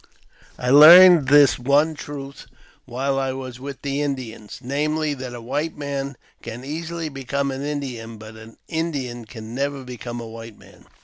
I learned this one truth while I was with the Indians, namely, that a white man can easily become an Indian, but that an Indian could never become a white man.